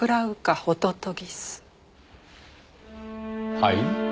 はい？